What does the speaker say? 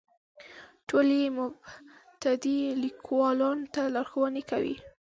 ټول یې مبتدي لیکوالو ته لارښوونې کوي.